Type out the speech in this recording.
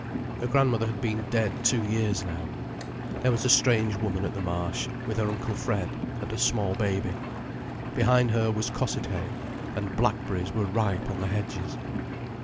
Her grandmother had been dead two years now. There was a strange woman at the Marsh, with her Uncle Fred, and a small baby. Behind her was Cossethay, and blackberries were ripe on the hedges.